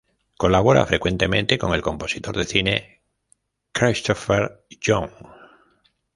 Colabora frecuentemente con el compositor de cine Christopher Young.